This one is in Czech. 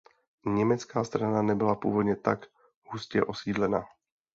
Německá strana nebyla původně tak hustě osídlena.